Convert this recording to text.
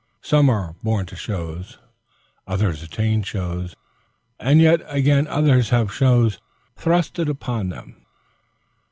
Some are born to shows, others attain shows, and yet again others have shows thrust upon them.